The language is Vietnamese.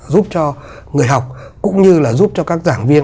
giúp cho người học cũng như là giúp cho các giảng viên